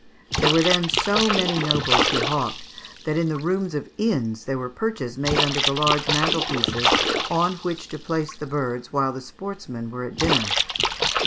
There were then so many nobles who hawked, that in the rooms of inns there were perches made under the large mantel pieces on which to place the birds while the sportsmen were at dinner.